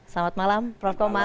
selamat malam prof komar